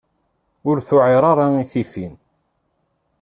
Ur tewɛiṛ ara i tifin.